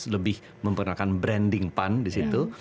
lebih memperkenalkan branding pan disitu